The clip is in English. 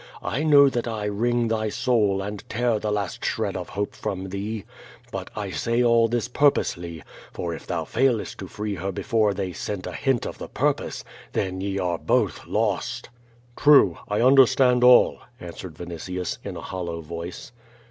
I know that I wring thy soul and tear the last shred of hope from thee. But I say all this jmrposely, for if thou failest to free her before they scent a hint of the purpose, then ye are both lost." "True. I understand all," answered Vinitius, in a hollow voice.